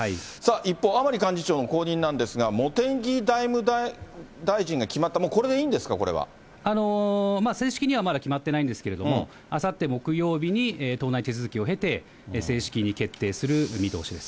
一方、甘利幹事長の後任なんですが、茂木外務大臣が決まった、正式にはまだ決まってないんですけれども、あさって木曜日に党内手続きをへて、正式に決定する見通しです。